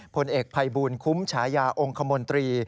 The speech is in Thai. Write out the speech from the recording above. ผลเอกภัยบูลคุ้มฉายาองค์คมนตรี